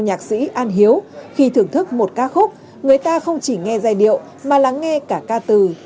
nhạc sĩ an hiếu khi thưởng thức một ca khúc người ta không chỉ nghe giai điệu mà lắng nghe cả ca từ